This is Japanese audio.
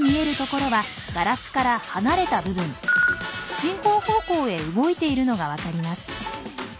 進行方向へ動いているのが分かります。